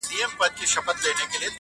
داسي دي سترگي زما غمونه د زړگي ورانوي,